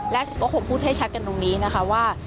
และก็คงพูดให้ชัดกันตรงนี้นะคะว่า